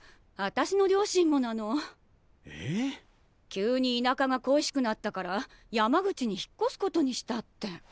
急に田舎が恋しくなったから山口に引っ越すことにしたって。